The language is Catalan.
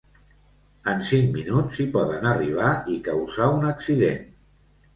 En cinc minuts hi poden arribar i causar un accident.